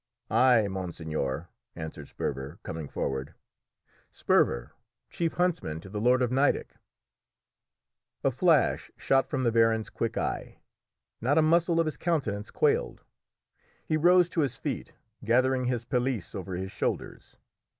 "I, monseigneur," answered Sperver, coming forward "Sperver, chief huntsman to the lord of Nideck." A flash shot from the baron's quick eye; not a muscle of his countenance quailed. He rose to his feet, gathering his pelisse over his shoulders.